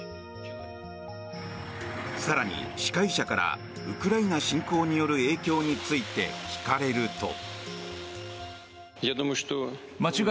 更に司会者からウクライナ侵攻による影響について聞かれると。